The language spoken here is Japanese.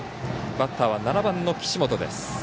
バッターは７番の岸本です。